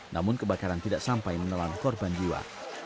namun kebakaran tidak sampai menelan korban jiwa